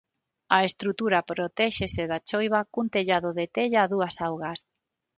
A estrutura protéxese da choiva cun tellado de tella a dúas augas.